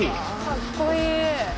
かっこいい！